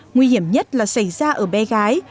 nguy hiểm nhất là xảy ra ở bé gái